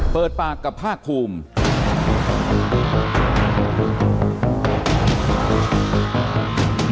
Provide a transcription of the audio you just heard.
เปิดปากกับภาคภูมิ